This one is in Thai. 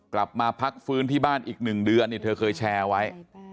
กลับมาพักฟื้นที่บ้านอีก๑เดือนเธอเคยแชร์ไว้